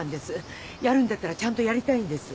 やるんだったらちゃんとやりたいんです。